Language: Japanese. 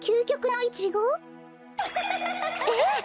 えっ？